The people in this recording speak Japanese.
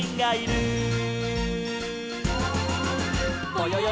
「ぼよよ